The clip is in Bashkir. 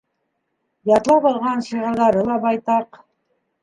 Ятлап алған шиғырҙары ла байтаҡ.